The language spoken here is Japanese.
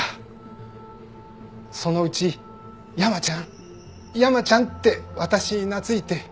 そのうち「山ちゃん！山ちゃん！」って私に懐いて。